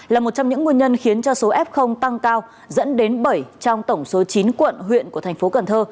là một trong những nguyên nhân khiến cho số f tăng cao dẫn đến bảy trong tổng số chín quận huyện của thành phố cần thơ